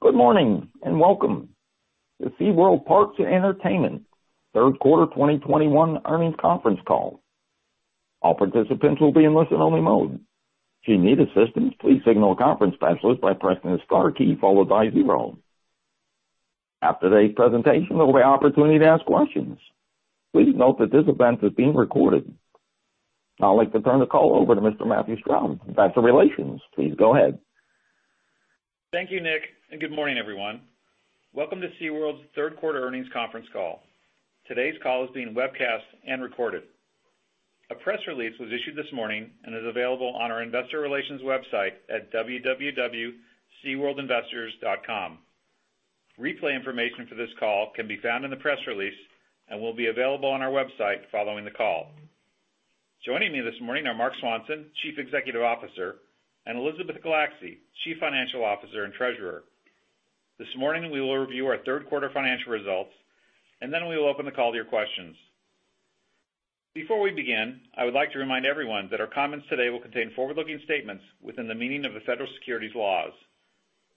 Good morning, and welcome to SeaWorld Parks & Entertainment Third Quarter 2021 Earnings Conference Call. All participants will be in listen-only mode. If you need assistance, please signal a conference specialist by pressing the star key followed by zero. After the presentation, there will be opportunity to ask questions. Please note that this event is being recorded. I'd like to turn the call over to Mr. Matthew Stroud, Investor Relations. Please go ahead. Thank you, Nick, and good morning, everyone. Welcome to SeaWorld's Third Quarter Earnings Conference Call. Today's call is being webcast and recorded. A press release was issued this morning and is available on our investor relations website at www.seaworldinvestors.com. Replay information for this call can be found in the press release and will be available on our website following the call. Joining me this morning are Marc Swanson, Chief Executive Officer, and Elizabeth Castro Gulacsy, Chief Financial Officer and Treasurer. This morning, we will review our third quarter financial results, and then we will open the call to your questions. Before we begin, I would like to remind everyone that our comments today will contain forward-looking statements within the meaning of the federal securities laws.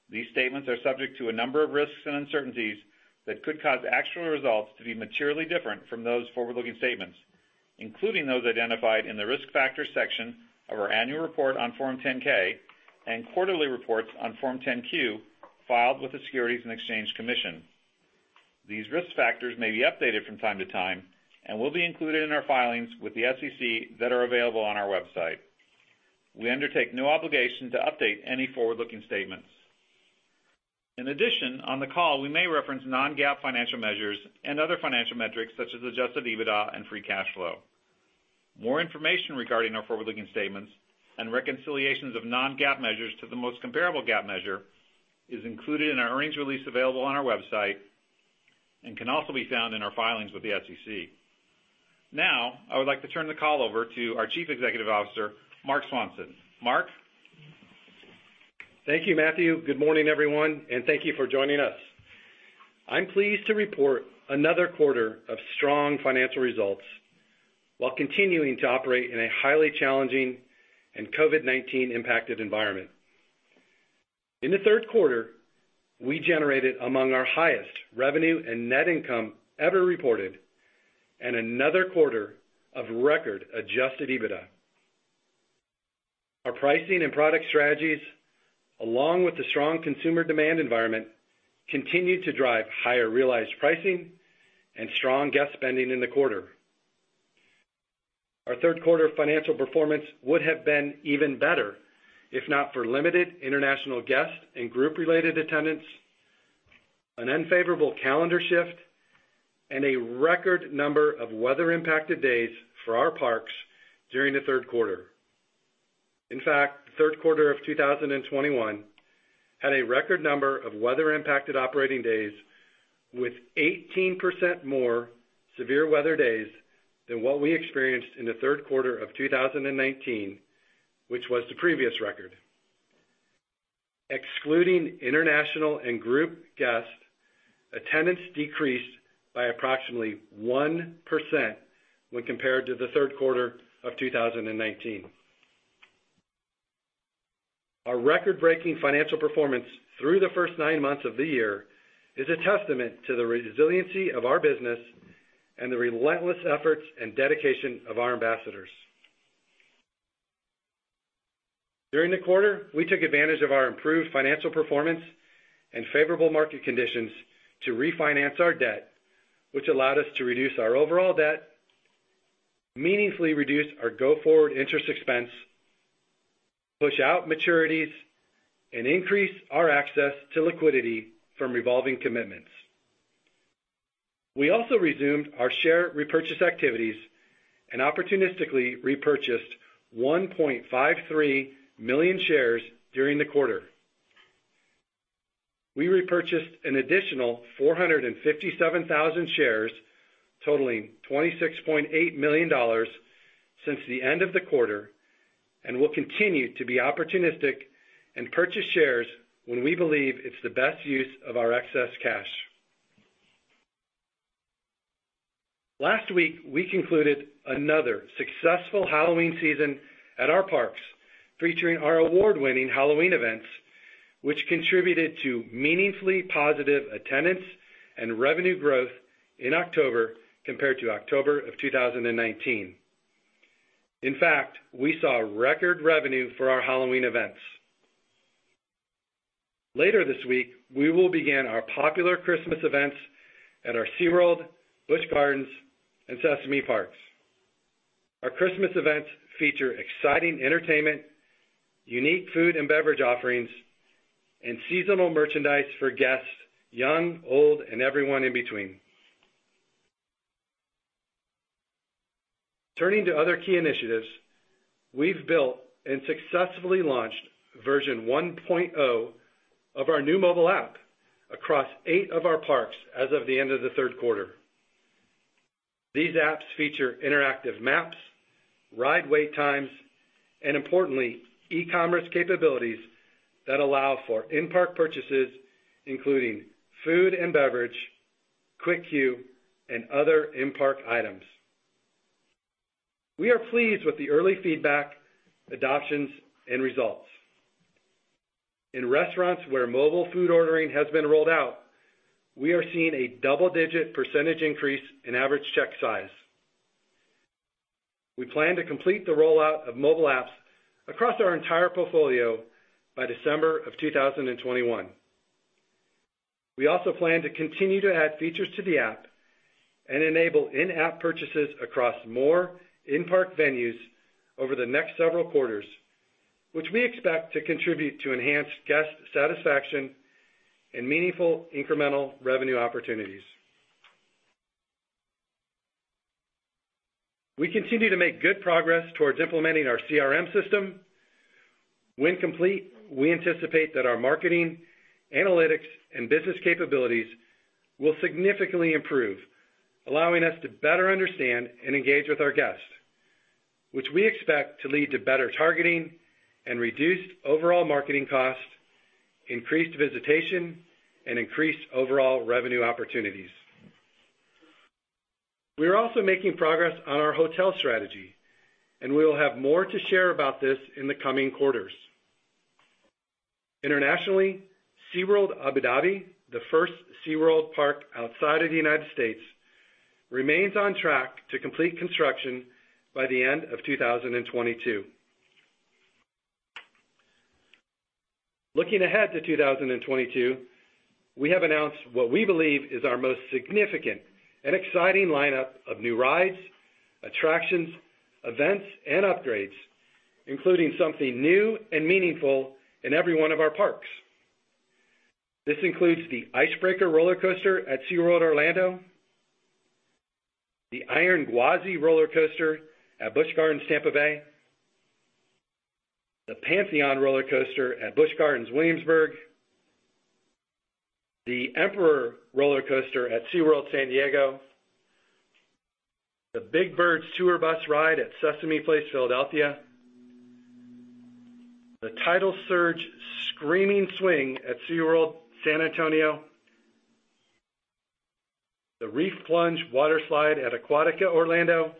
These statements are subject to a number of risks and uncertainties that could cause actual results to be materially different from those forward-looking statements, including those identified in the Risk Factors section of our annual report on Form 10-K and quarterly reports on Form 10-Q filed with the Securities and Exchange Commission. These risk factors may be updated from time to time and will be included in our filings with the SEC that are available on our website. We undertake no obligation to update any forward-looking statements. In addition, on the call, we may reference non-GAAP financial measures and other financial metrics such as adjusted EBITDA and free cash flow. More information regarding our forward-looking statements and reconciliations of non-GAAP measures to the most comparable GAAP measure is included in our earnings release available on our website and can also be found in our filings with the SEC. Now, I would like to turn the call over to our Chief Executive Officer, Marc Swanson. Marc? Thank you, Matthew. Good morning, everyone, and thank you for joining us. I'm pleased to report another quarter of strong financial results while continuing to operate in a highly challenging and COVID-19 impacted environment. In the third quarter, we generated among our highest revenue and net income ever reported and another quarter of record adjusted EBITDA. Our pricing and product strategies, along with the strong consumer demand environment, continued to drive higher realized pricing and strong guest spending in the quarter. Our third quarter financial performance would have been even better if not for limited international guests and group-related attendance, an unfavorable calendar shift, and a record number of weather-impacted days for our parks during the third quarter. In fact, the third quarter of 2021 had a record number of weather-impacted operating days, with 18% more severe weather days than what we experienced in the third quarter of 2019, which was the previous record. Excluding international and group guests, attendance decreased by approximately 1% when compared to the third quarter of 2019. Our record-breaking financial performance through the first nine months of the year is a testament to the resiliency of our business and the relentless efforts and dedication of our ambassadors. During the quarter, we took advantage of our improved financial performance and favorable market conditions to refinance our debt, which allowed us to reduce our overall debt, meaningfully reduce our go-forward interest expense, push out maturities, and increase our access to liquidity from revolving commitments. We also resumed our share repurchase activities and opportunistically repurchased 1.53 million shares during the quarter. We repurchased an additional 457,000 shares, totaling $26.8 million since the end of the quarter, and will continue to be opportunistic and purchase shares when we believe it's the best use of our excess cash. Last week, we concluded another successful Halloween season at our parks, featuring our award-winning Halloween events, which contributed to meaningfully positive attendance and revenue growth in October compared to October of 2019. In fact, we saw record revenue for our Halloween events. Later this week, we will begin our popular Christmas events at our SeaWorld, Busch Gardens, and Sesame parks. Our Christmas events feature exciting entertainment, unique food and beverage offerings, and seasonal merchandise for guests young, old, and everyone in between. Turning to other key initiatives, we've built and successfully launched version 1.0 of our new mobile app across eight of our parks as of the end of the third quarter. These apps feature interactive maps, ride wait times, and importantly, e-commerce capabilities that allow for in-park purchases, including food and beverage, Quick Queue, and other in-park items. We are pleased with the early feedback, adoptions, and results. In restaurants where mobile food ordering has been rolled out, we are seeing a double-digit % increase in average check size. We plan to complete the rollout of mobile apps across our entire portfolio by December of 2021. We also plan to continue to add features to the app and enable in-app purchases across more in-park venues over the next several quarters, which we expect to contribute to enhanced guest satisfaction and meaningful incremental revenue opportunities. We continue to make good progress towards implementing our CRM system. When complete, we anticipate that our marketing, analytics, and business capabilities will significantly improve, allowing us to better understand and engage with our guests, which we expect to lead to better targeting and reduced overall marketing costs, increased visitation, and increased overall revenue opportunities. We are also making progress on our hotel strategy, and we will have more to share about this in the coming quarters. Internationally, SeaWorld Abu Dhabi, the first SeaWorld park outside of the United States, remains on track to complete construction by the end of 2022. Looking ahead to 2022, we have announced what we believe is our most significant and exciting lineup of new rides, attractions, events, and upgrades, including something new and meaningful in every one of our parks. This includes the Ice Breaker roller coaster at SeaWorld Orlando, the Iron Gwazi roller coaster at Busch Gardens Tampa Bay, the Pantheon roller coaster at Busch Gardens Williamsburg, the Emperor roller coaster at SeaWorld San Diego, the Big Bird's Tour Bus ride at Sesame Place Philadelphia, the Tidal Surge Screaming Swing at SeaWorld San Antonio, the Reef Plunge water slide at Aquatica Orlando,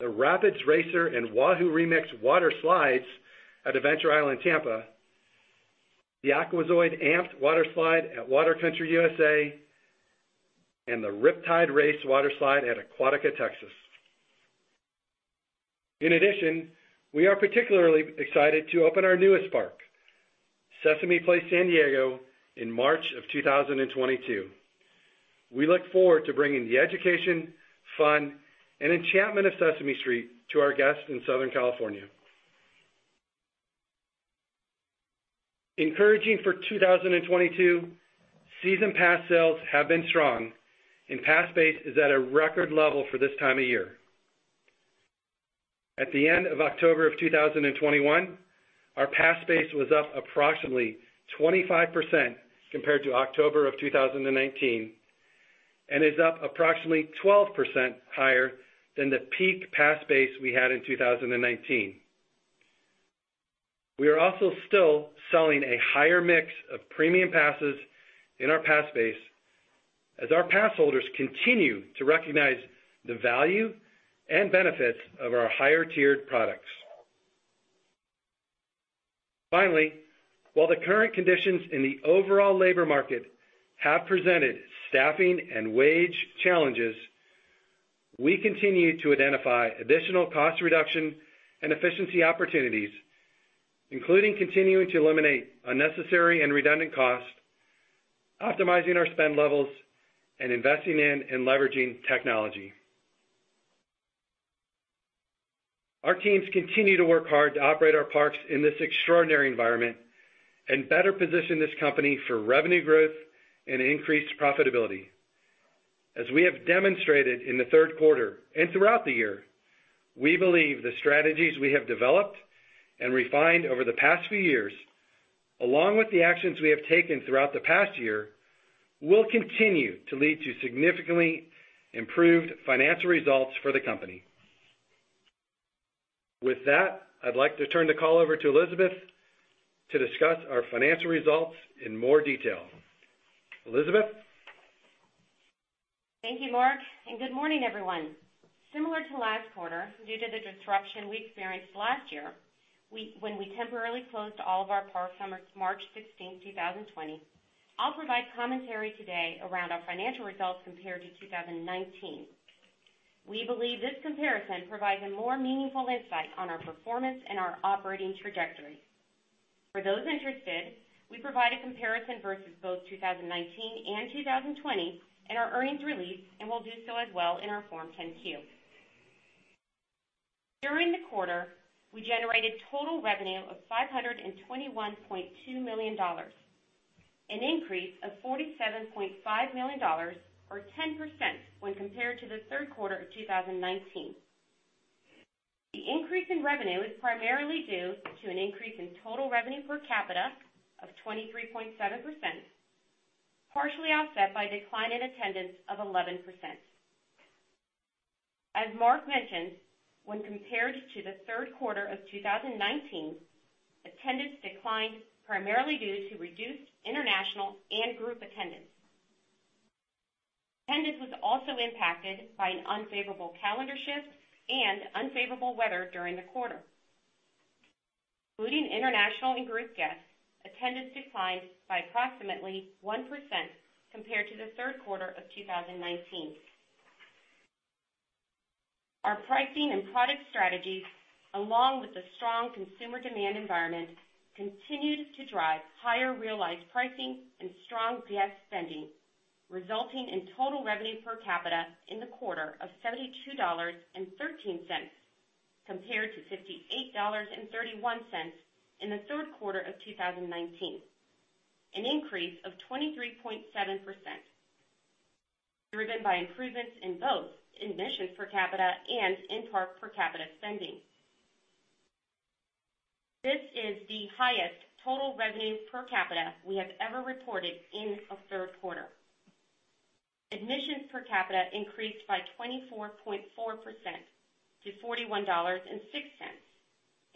the Rapids Racer and Wahoo Remix water slides at Adventure Island, Tampa, the Aquazoid Amped water slide at Water Country USA, and the Riptide Race water slide at Aquatica Texas. In addition, we are particularly excited to open our newest park, Sesame Place San Diego, in March 2022. We look forward to bringing the education, fun, and enchantment of Sesame Street to our guests in Southern California. Encouraging for 2022, season pass sales have been strong and pass base is at a record level for this time of year. At the end of October of 2021, our pass base was up approximately 25% compared to October of 2019, and is up approximately 12% higher than the peak pass base we had in 2019. We are also still selling a higher mix of premium passes in our pass base as our pass holders continue to recognize the value and benefits of our higher-tiered products. Finally, while the current conditions in the overall labor market have presented staffing and wage challenges, we continue to identify additional cost reduction and efficiency opportunities, including continuing to eliminate unnecessary and redundant costs, optimizing our spend levels, and investing in and leveraging technology. Our teams continue to work hard to operate our parks in this extraordinary environment and better position this company for revenue growth and increased profitability. As we have demonstrated in the third quarter and throughout the year, we believe the strategies we have developed and refined over the past few years, along with the actions we have taken throughout the past year, will continue to lead to significantly improved financial results for the company. With that, I'd like to turn the call over to Elizabeth to discuss our financial results in more detail. Elizabeth? Thank you, Marc, and good morning, everyone. Similar to last quarter, due to the disruption we experienced last year, we, when we temporarily closed all of our parks from March 16th, 2020, I'll provide commentary today around our financial results compared to 2019. We believe this comparison provides a more meaningful insight on our performance and our operating trajectory. For those interested, we provide a comparison versus both 2019 and 2020 in our earnings release, and we'll do so as well in our Form 10-Q. During the quarter, we generated total revenue of $521.2 million, an increase of $47.5 million or 10% when compared to the third quarter of 2019. The increase in revenue is primarily due to an increase in total revenue per capita of 23.7%, partially offset by decline in attendance of 11%. As Marc mentioned, when compared to the third quarter of 2019 attendance declined primarily due to reduced international and group attendance. Attendance was also impacted by an unfavorable calendar shift and unfavorable weather during the quarter. Including international and group guests, attendance declined by approximately 1% compared to the third quarter of 2019. Our pricing and product strategies, along with the strong consumer demand environment, continued to drive higher realized pricing and strong guest spending, resulting in total revenue per capita in the quarter of $72.13, compared to $58.31 in the third quarter of 2019, an increase of 23.7%, driven by improvements in both admissions per capita and in-park per capita spending. This is the highest total revenue per capita we have ever reported in a third quarter. Admissions per capita increased by 24.4% to $41.06,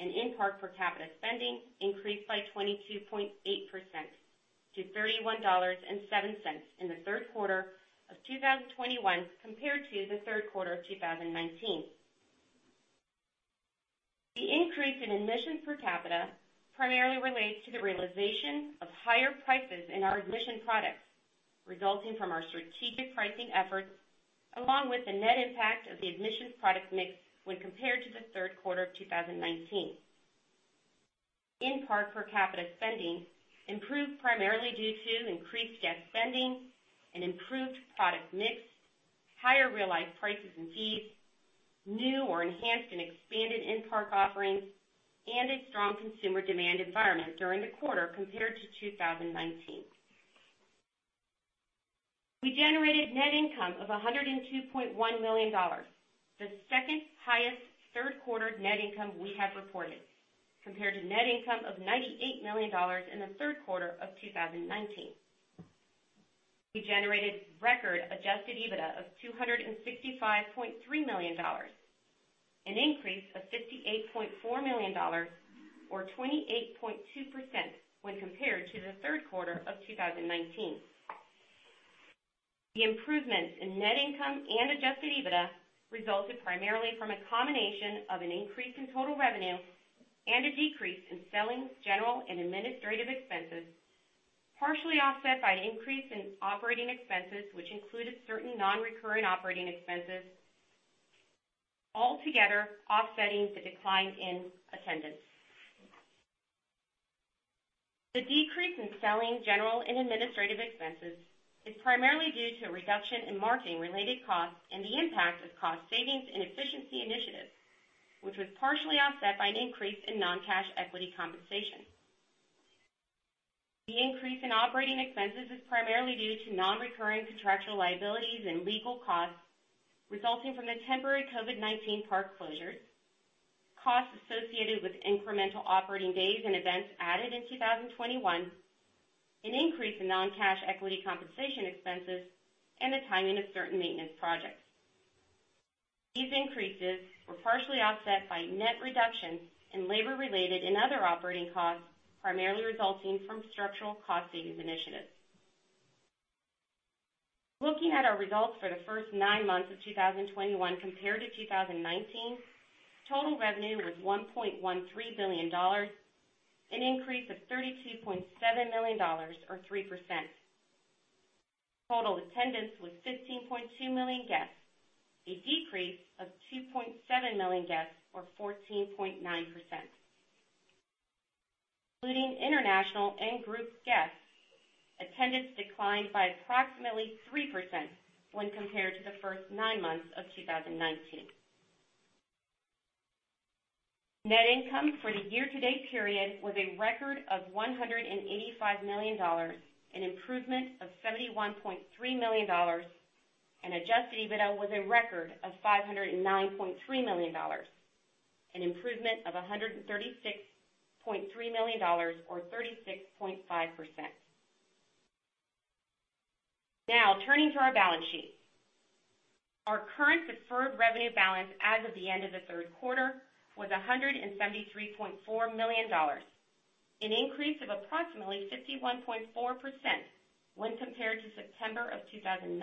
and in-park per capita spending increased by 22.8% to $31.07 in the third quarter of 2021 compared to the third quarter of 2019. The increase in admissions per capita primarily relates to the realization of higher prices in our admission products, resulting from our strategic pricing efforts, along with the net impact of the admissions product mix when compared to the third quarter of 2019. In-park per capita spending improved primarily due to increased guest spending and improved product mix, higher realized prices and fees, new or enhanced and expanded in-park offerings, and a strong consumer demand environment during the quarter compared to 2019. We generated net income of $102.1 million, the second highest third quarter net income we have reported, compared to net income of $98 million in the third quarter of 2019. We generated record adjusted EBITDA of $265.3 million, an increase of $58.4 million or 28.2% when compared to the third quarter of 2019. The improvements in net income and adjusted EBITDA resulted primarily from a combination of an increase in total revenue and a decrease in selling, general, and administrative expenses, partially offset by an increase in operating expenses, which included certain non-recurring operating expenses, altogether offsetting the decline in attendance. The decrease in selling, general, and administrative expenses is primarily due to a reduction in marketing-related costs and the impact of cost savings and efficiency initiatives, which was partially offset by an increase in non-cash equity compensation. The increase in operating expenses is primarily due to non-recurring contractual liabilities and legal costs resulting from the temporary COVID-19 park closures, costs associated with incremental operating days and events added in 2021, an increase in non-cash equity compensation expenses, and the timing of certain maintenance projects. These increases were partially offset by net reductions in labor-related and other operating costs, primarily resulting from structural cost savings initiatives. Looking at our results for the first nine months of 2021 compared to 2019, total revenue was $1.13 billion, an increase of $32.7 million or 3%. Total attendance was 15.2 million guests, a decrease of 2.7 million guests or 14.9%. Including international and group guests, attendance declined by approximately 3% when compared to the first nine months of 2019. Net income for the year-to-date period was a record of $185 million, an improvement of $71.3 million, and adjusted EBITDA was a record of $509.3 million, an improvement of $136.3 million or 36.5%. Now, turning to our balance sheet. Our current deferred revenue balance as of the end of the third quarter was $173.4 million, an increase of approximately 51.4% when compared to September of 2019,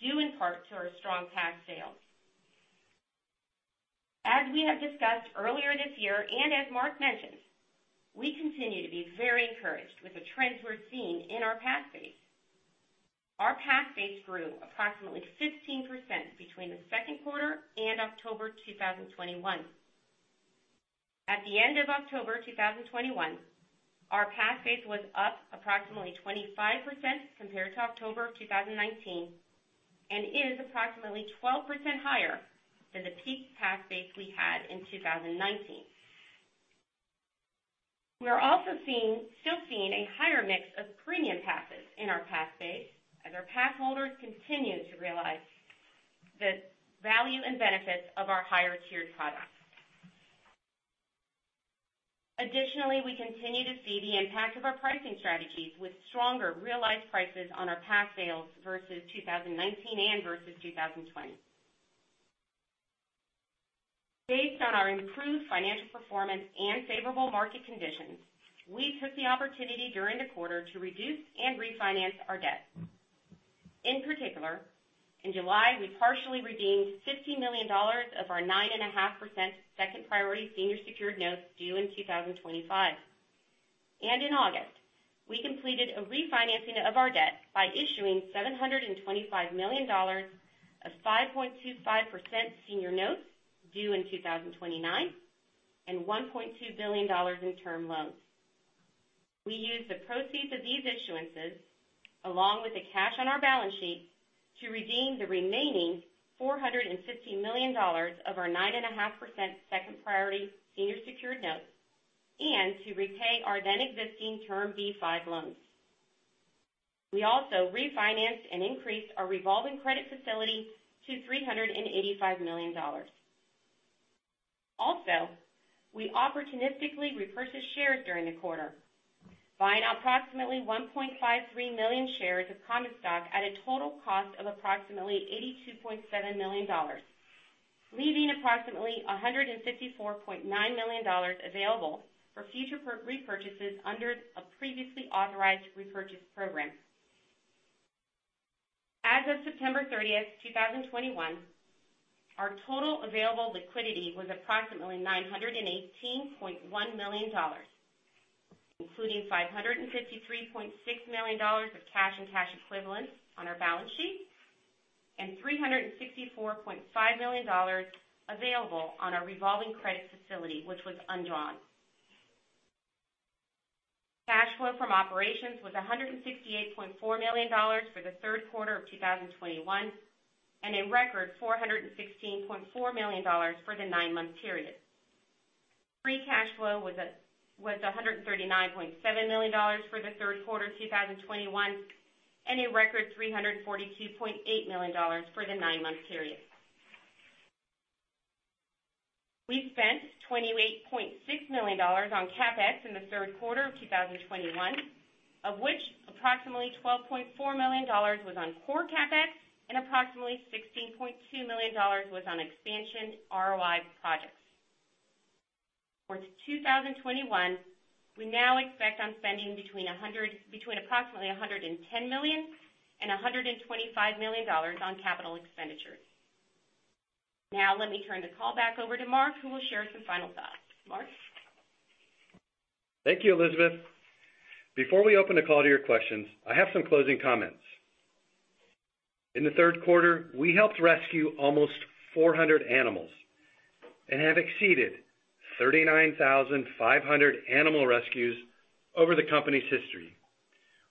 due in part to our strong pass sales. As we have discussed earlier this year and as Marc mentioned, we continue to be very encouraged with the trends we're seeing in our pass base. Our pass base grew approximately 15% between the second quarter and October 2021. At the end of October 2021, our pass base was up approximately 25% compared to October 2019 and is approximately 12% higher than the peak pass base we had in 2019. We are also seeing, still seeing a higher mix of premium passes in our pass base as our pass holders continue to realize the value and benefits of our higher-tiered products. Additionally, the impact of our pricing strategies with stronger realized prices on our pass sales versus 2019 and versus 2020. Based on our improved financial performance and favorable market conditions, we took the opportunity during the quarter to reduce and refinance our debt. In particular, in July, we partially redeemed $50 million of our 9.5% second priority senior secured notes due in 2025. In August, we completed a refinancing of our debt by issuing $725 million of 5.25% senior notes due in 2029 and $1.2 billion in term loans. We used the proceeds of these issuances along with the cash on our balance sheet to redeem the remaining $450 million of our 9.5% second priority senior secured notes and to repay our then existing term B-5 loans. We also refinanced and increased our revolving credit facility to $385 million. Also, we opportunistically repurchased shares during the quarter, buying approximately 1.53 million shares of common stock at a total cost of approximately $82.7 million, leaving approximately $154.9 million available for future repurchases under a previously authorized repurchase program. As of September 30th, 2021, our total available liquidity was approximately $918.1 million, including $553.6 million of cash and cash equivalents on our balance sheet, and $364.5 million available on our revolving credit facility, which was undrawn. Cash flow from operations was $168.4 million for the third quarter of 2021, and a record $416.4 million for the nine-month period. Free cash flow was $139.7 million for the third quarter of 2021, and a record $342.8 million for the nine-month period. We spent $28.6 million on CapEx in the third quarter of 2021, of which approximately $12.4 million was on core CapEx and approximately $16.2 million was on expansion ROI projects. For 2021, we now expect spending between approximately $110 million and $125 million on capital expenditures. Now let me turn the call back over to Marc, who will share some final thoughts. Marc? Thank you, Elizabeth. Before we open the call to your questions, I have some closing comments. In the third quarter, we helped rescue almost 400 animals and have exceeded 39,500 animal rescues over the company's history.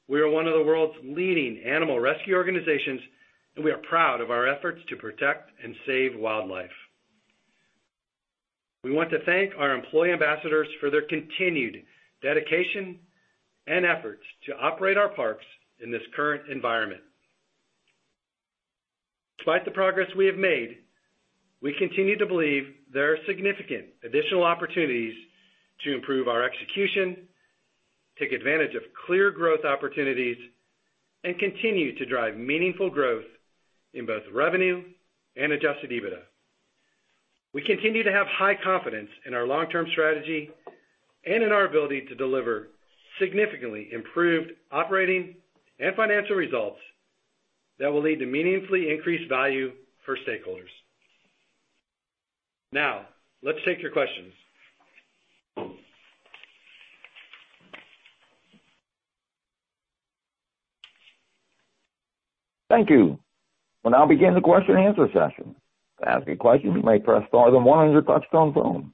We are one of the world's leading animal rescue organizations, and we are proud of our efforts to protect and save wildlife. We want to thank our employee ambassadors for their continued dedication and efforts to operate our parks in this current environment. Despite the progress we have made, we continue to believe there are significant additional opportunities to improve our execution, take advantage of clear growth opportunities, and continue to drive meaningful growth in both revenue and adjusted EBITDA. We continue to have high confidence in our long-term strategy and in our ability to deliver significantly improved operating and financial results that will lead to meaningfully increased value for stakeholders. Now, let's take your questions. Thank you. We'll now begin the question and answer session. To ask a question, you may press star then one on your touchtone phone.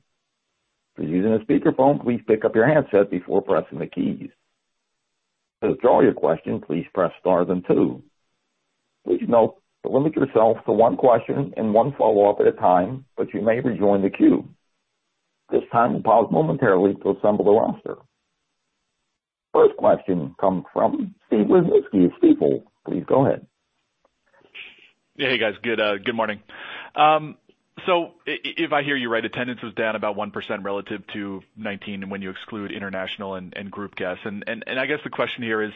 If you're using a speakerphone, please pick up your handset before pressing the keys. To withdraw your question, please press star then two. Please note to limit yourself to one question and one follow-up at a time, but you may rejoin the queue. At this time, we'll pause momentarily to assemble the roster. First question comes from Steve Wieczynski of Stifel. Please go ahead. Hey, guys. Good morning. If I hear you right, attendance was down about 1% relative to 2019 and when you exclude international and group guests. I guess the question here is,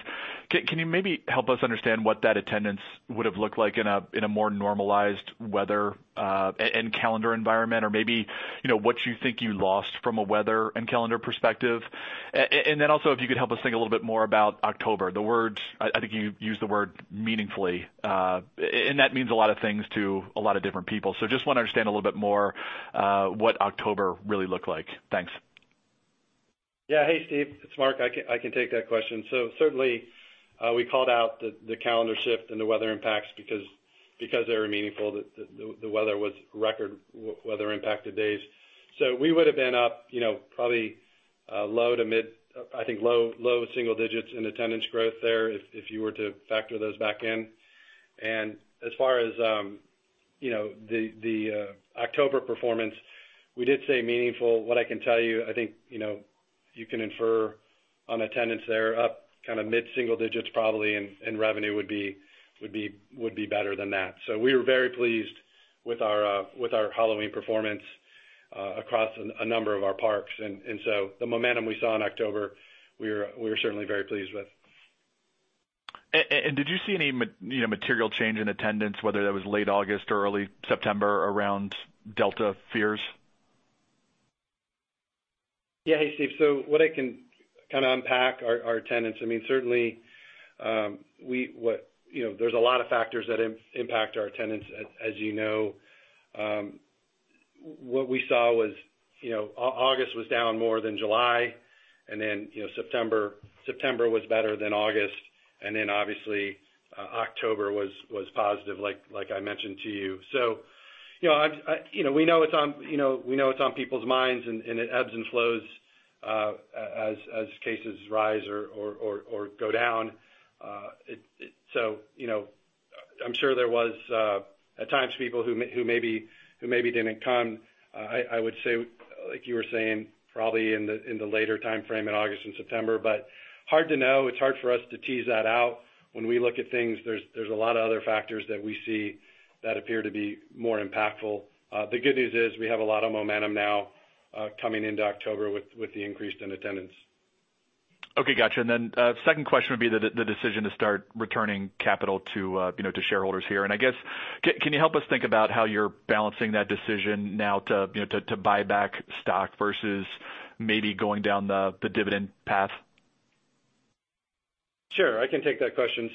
can you maybe help us understand what that attendance would have looked like in a more normalized weather and calendar environment or maybe, you know, what you think you lost from a weather and calendar perspective? Then also if you could help us think a little bit more about October. I think you used the word meaningfully, and that means a lot of things to a lot of different people. Just wanna understand a little bit more what October really looked like. Thanks. Hey, Steve. It's Marc. I can take that question. Certainly, we called out the calendar shift and the weather impacts because they were meaningful. The weather was record weather impacted days. We would have been up, you know, probably low to mid, I think low single digits in attendance growth there if you were to factor those back in. As far as you know, the October performance, we did say meaningful. What I can tell you, I think, you know, you can infer on attendance there, up kinda mid-single digits probably, and revenue would be better than that. We were very pleased with our Halloween performance across a number of our parks. The momentum we saw in October, we're certainly very pleased with. Did you see any material change in attendance, whether that was late August or early September around Delta fears? Yeah. Hey, Steve. What I can kinda unpack our attendance, I mean, certainly, we know, there's a lot of factors that impact our attendance as you know. What we saw was, you know, August was down more than July and then, you know, September was better than August, and then obviously, October was positive, like I mentioned to you. You know, we know it's on people's minds and it ebbs and flows, as cases rise or go down. You know, I'm sure there was at times people who maybe didn't come, I would say, like you were saying, probably in the later timeframe in August and September. Hard to know. It's hard for us to tease that out. When we look at things, there's a lot of other factors that we see that appear to be more impactful. The good news is we have a lot of momentum now, coming into October with the increase in attendance. Okay. Gotcha. Then, second question would be the decision to start returning capital to, you know, to shareholders here. I guess, can you help us think about how you're balancing that decision now to, you know, to buy back stock versus maybe going down the dividend path? Sure. I can take that question.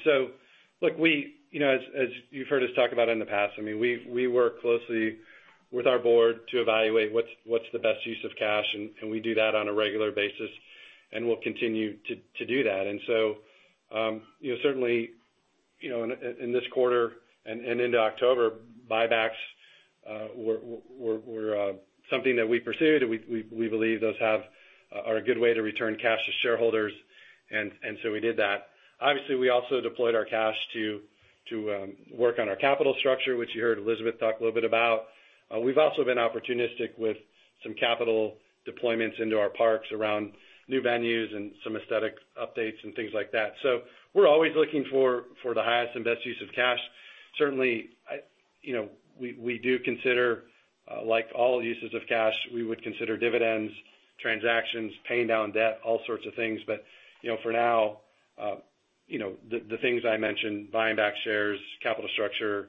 Look, we, you know, as you've heard us talk about in the past, I mean, we work closely with our board to evaluate what's the best use of cash, and we do that on a regular basis, and we'll continue to do that. You know, certainly, you know, in this quarter and into October, buybacks were something that we pursued. We believe those are a good way to return cash to shareholders. We did that. Obviously, we also deployed our cash to work on our capital structure, which you heard Elizabeth talk a little bit about. We've also been opportunistic with some capital deployments into our parks around new venues and some aesthetic updates and things like that. We're always looking for the highest and best use of cash. Certainly, you know, we do consider like all uses of cash, we would consider dividends, transactions, paying down debt, all sorts of things. You know, for now, you know, the things I mentioned, buying back shares, capital structure,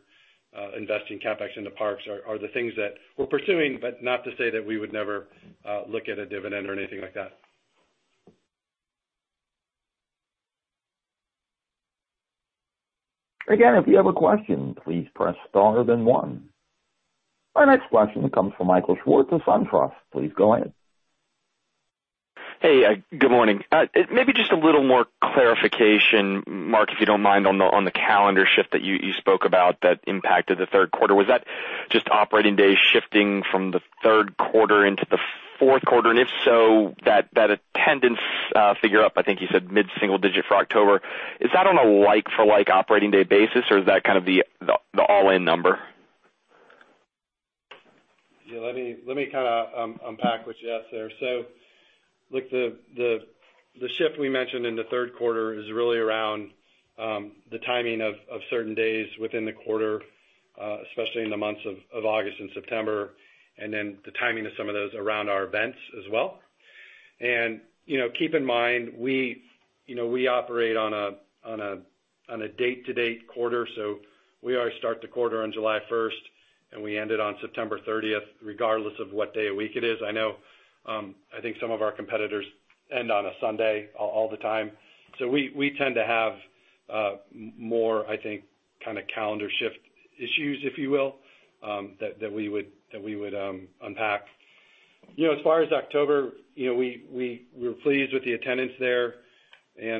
investing CapEx into parks are the things that we're pursuing, but not to say that we would never look at a dividend or anything like that. Again, if you have a question, please press star then one. Our next question comes from Michael Swartz of SunTrust. Please go ahead. Hey, good morning. Maybe just a little more clarification, Marc, if you don't mind, on the calendar shift that you spoke about that impacted the third quarter. Was that just operating days shifting from the third quarter into the fourth quarter? If so, that attendance figure up, I think you said mid-single digit for October, is that on a like for like operating day basis, or is that kind of the all-in number? Yeah. Let me kinda unpack what you asked there. Look, the shift we mentioned in the third quarter is really around the timing of certain days within the quarter, especially in the months of August and September, and then the timing of some of those around our events as well. You know, keep in mind, we operate on a date-to-date quarter. We always start the quarter on July 1st, and we end it on September 30th, regardless of what day of week it is. I know, I think some of our competitors end on a Sunday all the time. We tend to have more, I think, kinda calendar shift issues, if you will, that we would unpack. You know, as far as October, you know, we're pleased with the attendance there. You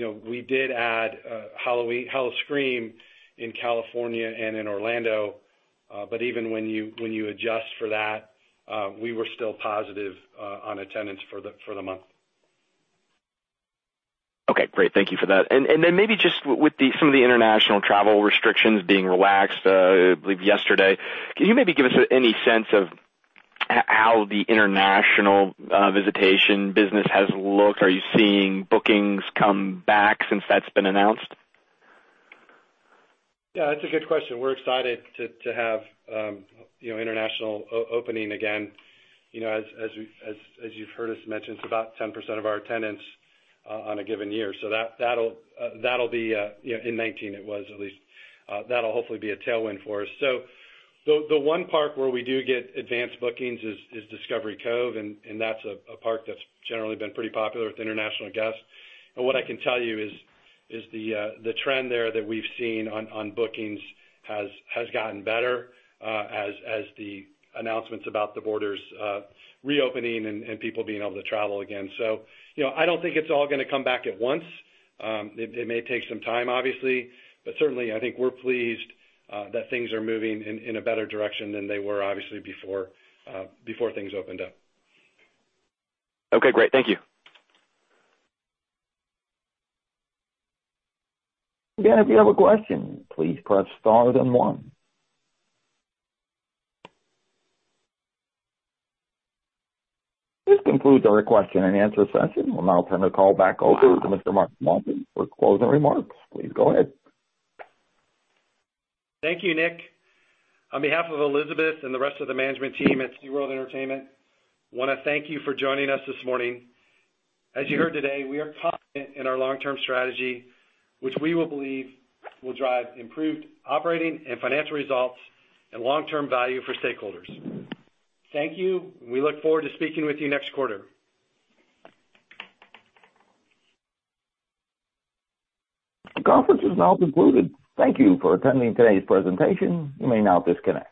know, we did add Halloween Howl-O-Scream in California and in Orlando. Even when you adjust for that, we were still positive on attendance for the month. Okay. Great. Thank you for that. Then maybe just with some of the international travel restrictions being relaxed, I believe yesterday, can you maybe give us any sense of how the international visitation business has looked? Are you seeing bookings come back since that's been announced? Yeah, that's a good question. We're excited to have, you know, international opening again. You know, as you've heard us mention, it's about 10% of our attendance on a given year. That'll be, you know, in 2019 it was at least, that'll hopefully be a tailwind for us. The one park where we do get advanced bookings is Discovery Cove, and that's a park that's generally been pretty popular with international guests. What I can tell you is the trend there that we've seen on bookings has gotten better as the announcements about the borders reopening and people being able to travel again. You know, I don't think it's all gonna come back at once. It may take some time obviously, but certainly I think we're pleased that things are moving in a better direction than they were obviously before things opened up. Okay. Great. Thank you. Again, if you have a question, please press star then one. This concludes our question and answer session. We'll now turn the call back over to Mr. Marc Swanson for closing remarks. Please go ahead. Thank you, Nick. On behalf of Elizabeth and the rest of the management team at SeaWorld Entertainment, wanna thank you for joining us this morning. As you heard today, we are confident in our long-term strategy, which we believe will drive improved operating and financial results and long-term value for stakeholders. Thank you, and we look forward to speaking with you next quarter. The conference is now concluded. Thank you for attending today's presentation. You may now disconnect.